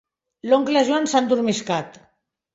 L'oncle Joan s'ha endormiscat.